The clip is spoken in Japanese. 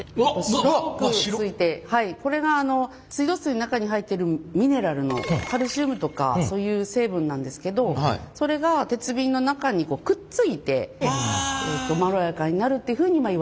白くついてこれが水道水の中に入っているミネラルのカルシウムとかそういう成分なんですけどそれが鉄瓶の中にくっついてまろやかになるっていうふうにいわれています。